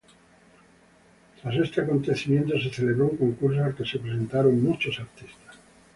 Tras este acontecimiento se celebró un concurso al que se presentaron muchos artistas.